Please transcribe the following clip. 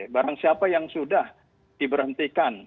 barang siapa yang sudah diberhentikan